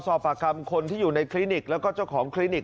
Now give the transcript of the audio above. สอบปากคำคนที่อยู่ในคลินิกแล้วก็เจ้าของคลินิก